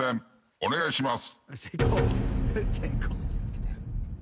お願いします。